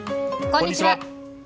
こんにちは。